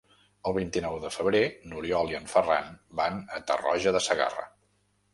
El vint-i-nou de febrer n'Oriol i en Ferran van a Tarroja de Segarra.